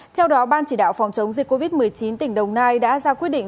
theo đó ban chỉ đạo phòng chống dịch covid một mươi chín tỉnh đồng nai đã ra quyết định